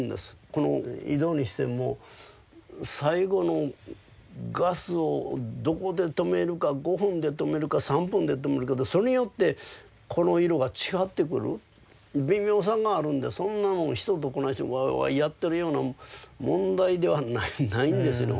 この井戸にしても最後のガスをどこで止めるか５分で止めるか３分で止めるかでそれによってこの色が違ってくる微妙さがあるんでそんなもん人とこないしてワーワーやってるような問題ではないんですよね